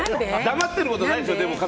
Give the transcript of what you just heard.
黙ってることないでしょ。